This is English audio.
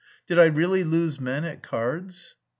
Did I really lose men at cards?